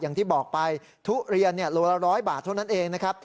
อย่างที่บอกไปทุเรียนโลละ๑๐๐บาทเท่านั้นเองนะครับ